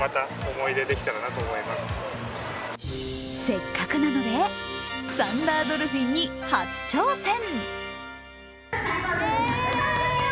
せっかくなので、サンダードルフィンに初挑戦。